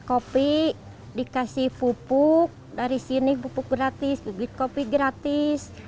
kopi dikasih pupuk dari sini pupuk gratis kopi gratis